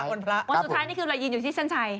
วันสุดท้ายนี่คืออะไรยืนอยู่ที่เส้นชัย